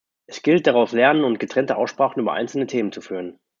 Es gilt, daraus lernen und getrennte Aussprachen über einzelne Themen zu führen.